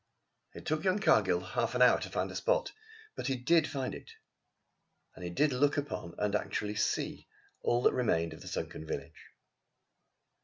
It took young Cargill half an hour to find the spot. But he did find it, and he did look upon, and actually see, all that remained of the sunken village.